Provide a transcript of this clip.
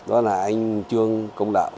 đó là anh trương công đạo